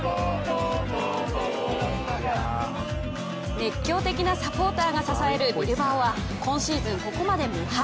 熱狂的なサポーターが支えるビルバオは今シーズン、ここまで無敗。